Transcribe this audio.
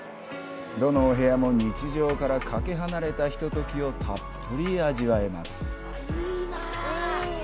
どのお部屋も日常からかけ離れたひと時をたっぷり味わえます。